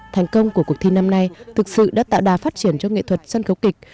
thành công của cuộc thi năm nay thực sự đã tạo đà phát triển cho nghệ thuật sân khấu kịch